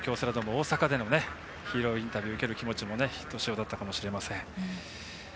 大阪でヒーローインタビューを受ける気持ちもひとしおだったかもしれません。